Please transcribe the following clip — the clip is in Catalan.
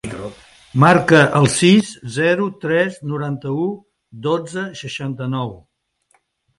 Marca el sis, zero, tres, noranta-u, dotze, seixanta-nou.